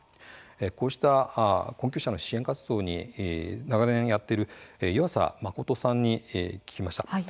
こうした困窮者の支援を長年やっている湯浅誠さんに聞きました。